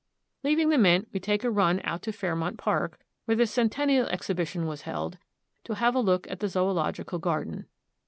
Leaving the mint, we take a run out to Fairmount Park, where the Centennial Exhibition was held, to have a look at the Zoological Garden.